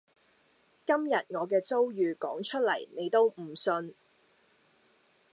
今日我嘅遭遇講出嚟你都唔信